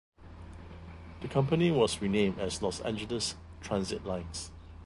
The company was renamed as Los Angeles Transit Lines.